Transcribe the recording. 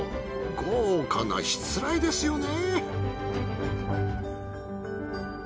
豪華なしつらえですよね。